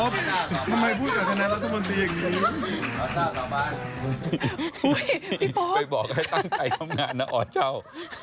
ไปบอกให้ตั้งใจทำงานนะอเจ้า